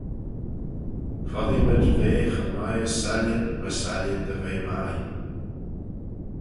Foddee mayd ve cha mie as saillin my saillin dy ve mie.